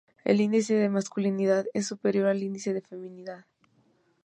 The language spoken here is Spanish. El indice de masculinidad es superior al indice de feminidad.